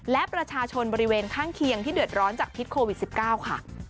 และประชาชนบริเวณข้างเคียงที่เดือดร้อนจากพิษโควิด๑๙ค่ะ